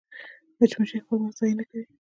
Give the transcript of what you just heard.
مچمچۍ خپل وخت ضایع نه کوي